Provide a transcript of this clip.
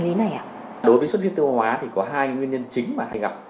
đối với bệnh xuất huyết tiêu hóa thì có hai nguyên nhân chính mà hay gặp